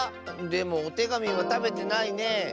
でもおてがみはたべてないね。